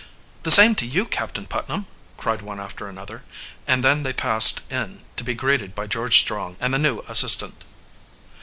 "The same to you, Captain Putnam!" cried one after another, and then they passed in to be greeted by George Strong and the new assistant.